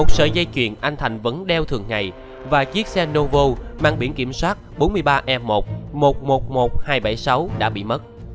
sợi dây chuyền anh thành vẫn đeo thường ngày và chiếc xe novo mang biển kiểm soát bốn mươi ba e một hai trăm bảy mươi sáu đã bị mất